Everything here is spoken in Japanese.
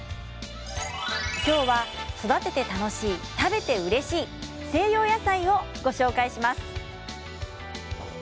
今日は育てて楽しい食べてうれしい西洋野菜をご紹介します。